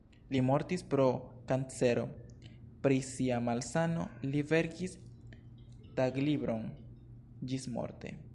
Li mortis pro kancero, pri sia malsano li verkis taglibron ĝismorte.